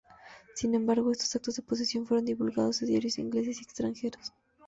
Sin embargo, estos actos de posesión fueron divulgados en diarios ingleses y extranjeros.